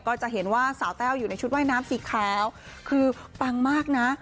ก็จะเห็นว่าสาวแต้วอยู่ในชุดว่ายน้ำสีขาวคือปังมากนะ